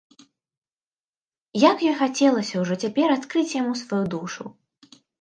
Як ёй хацелася ўжо цяпер адкрыць яму сваю душу!